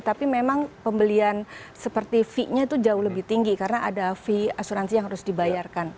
tapi memang pembelian seperti fee nya itu jauh lebih tinggi karena ada fee asuransi yang harus dibayarkan